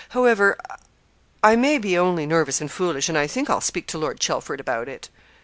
However, I may be only nervous and foolish, and I think I'll speak to Lord Chelford about it.'